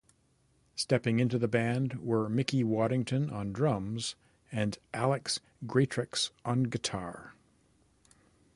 Stepping into the band were Mickey Waddington on drums and Alex Greatrex on guitar.